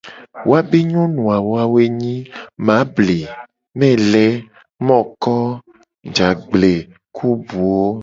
Woabe nyonu awo a wo ye nyi : mable, mele, moko, jagble, ku buwo.